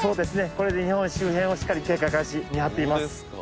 これで日本周辺をしっかり警戒監視見張っています。